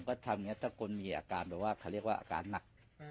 ก็ทำอย่างนี้ถ้าคนมีอาการแบบว่าเขาเรียกว่าอาการหนัก